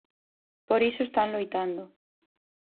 Por iso están loitando.